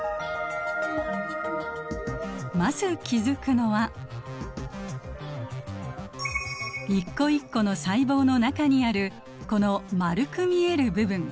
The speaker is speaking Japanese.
まず気付くのは一個一個の細胞の中にあるこの丸く見える部分。